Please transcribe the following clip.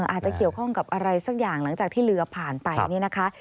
อาจจะเกี่ยวข้องกับอะไรสักอย่างหลังจากที่เรือผ่านไปเนี่ยนะคะ